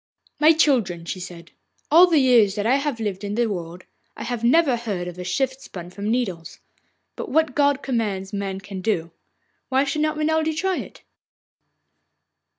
'My children,' she said, 'all the years that I have lived in the world, I have never heard of a shift spun from nettles. But what God commands, man can do. Why should not Renelde try it?